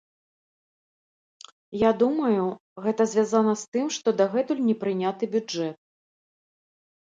Я думаю, гэта звязана з тым, што дагэтуль не прыняты бюджэт.